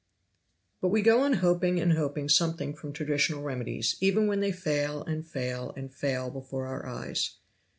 But we go on hoping and hoping something from traditional remedies, even when they fail and fail and fail before our eyes.